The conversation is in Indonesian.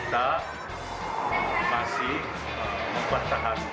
jadi kayaknya kalau makan bakaran periakannya lebih sehat